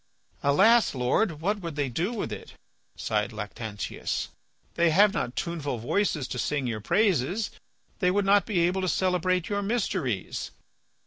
"Alas! Lord, what would they do with it," sighed Lactantius. "They have not tuneful voices to sing your praises. They would not be able to celebrate your mysteries."